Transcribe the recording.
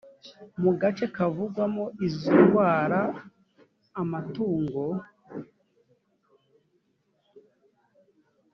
mu gace kavugwamo izo indwara amatungo